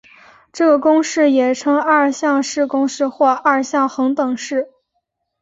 这个公式也称二项式公式或二项恒等式。